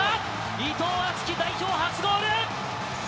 伊藤敦樹、代表初ゴール！